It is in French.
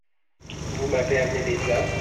Vous m'avez amené des fleurs ?